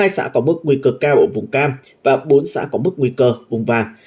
hai xã có mức nguy cơ cao ở vùng cam và bốn xã có mức nguy cơ bùng vàng